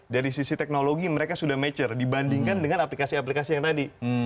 dari sisi teknologi mereka sudah mature dibandingkan dengan aplikasi aplikasi yang tadi